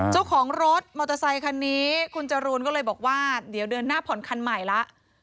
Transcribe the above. เจ้าของรถมอเตอร์ไซคันนี้คุณจรูนก็เลยบอกว่าเดี๋ยวเดือนหน้าผ่อนคันใหม่แล้ว